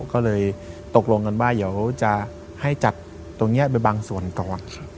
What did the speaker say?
ก็เลยตกลงกันว่าเดี๋ยวจะให้จัดตรงนี้ไปบางส่วนก่อน